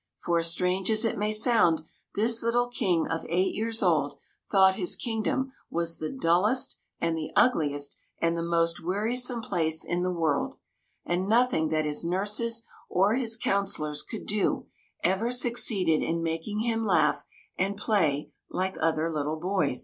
For, strange as it may sound, this little King of eight years old thought his kingdom was the dullest and the ugliest and the most weari some place in the world, and nothing that his nurses or his councillors could do ever suc ceeded in making him laugh and play like other little boys.